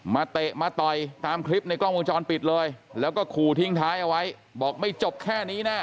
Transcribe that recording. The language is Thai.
เตะมาต่อยตามคลิปในกล้องวงจรปิดเลยแล้วก็ขู่ทิ้งท้ายเอาไว้บอกไม่จบแค่นี้แน่